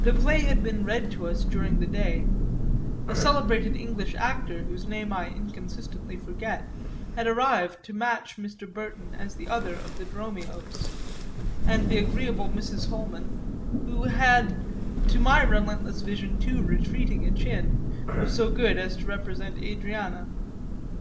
The play had been read to us during the day; a celebrated English actor, whose name I inconsistently forget, had arrived to match Mr. Burton as the other of the Dromios; and the agreeable Mrs. Holman, who had to my relentless vision too retreating a chin, was so good as to represent Adriana.